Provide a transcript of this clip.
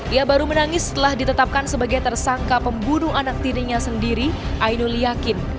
ia baru menangis setelah ditetapkan sebagai tersangka pembunuh anak tirinya sendiri ainul yakin